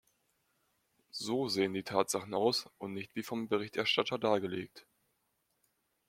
So sehen die Tatsachen aus, und nicht wie vom Berichterstatter dargelegt.